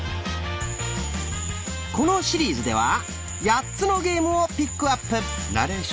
このシリーズでは８つのゲームをピックアップ。